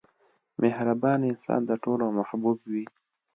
• مهربان انسان د ټولو محبوب وي.